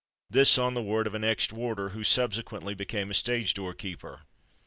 This on the word of an ex warder, who subsequently became a stage door keeper.